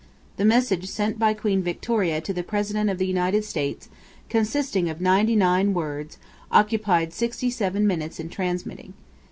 The message sent by Queen Victoria to the President of the United States, consisting of 99 words, occupied 67 minutes in transmitting.